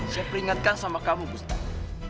saya peringatkan sama kamu gustaf